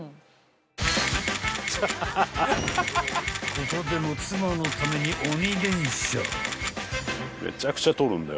［ここでも妻のために鬼連写］